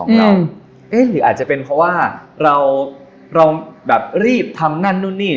หรืออาจจะเป็นเพราะว่าเราแบบรีบทำนั่นนู่นนี่